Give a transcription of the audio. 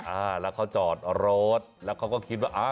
อ่าแล้วเขาจอดรถแล้วเขาก็คิดว่าอ่า